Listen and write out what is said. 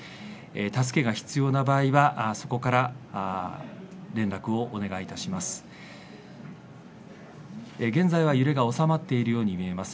助けが必要な場合は、そこから連絡をお願いします。